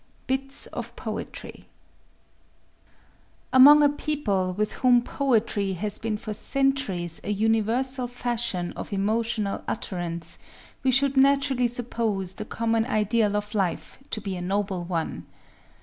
Bits of Poetry I Among a people with whom poetry has been for centuries a universal fashion of emotional utterance, we should naturally suppose the common ideal of life to be a noble one.